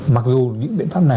mặc dù những biện pháp này